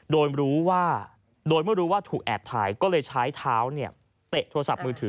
โดยรู้ว่าโดยไม่รู้ว่าถูกแอบถ่ายก็เลยใช้เท้าเนี่ยเตะโทรศัพท์มือถือ